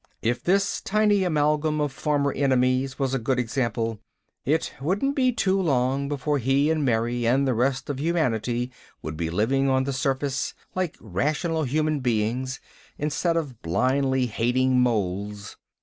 If this tiny amalgam of former enemies was a good example, it wouldn't be too long before he and Mary and the rest of humanity would be living on the surface like rational human beings instead of blindly hating moles.